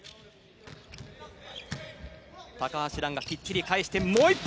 高橋藍がきっちり返してもう１本。